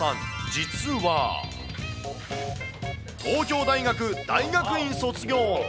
実は、東京大学大学院卒業。